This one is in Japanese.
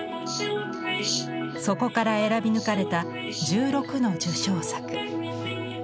そこから選び抜かれた１６の受賞作。